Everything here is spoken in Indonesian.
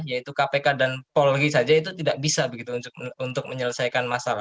yaitu kpk dan polri saja itu tidak bisa begitu untuk menyelesaikan masalah